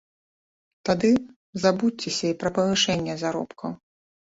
Тады забудзьцеся і пра павышэнне заробкаў.